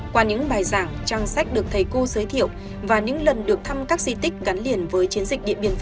qua những bài giảng trang sách được thầy cô giới thiệu và những lần được thăm các di tích gắn liền với chiến dịch điện biên phủ